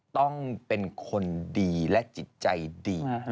ต้องเป็นคนดีและจิตใจดี